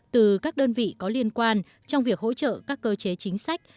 từ các đơn vị có liên quan trong việc hỗ trợ các cơ chế chính sách